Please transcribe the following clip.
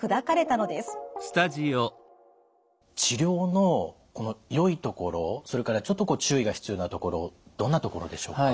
治療のよいところそれからちょっと注意が必要なところどんなところでしょうか？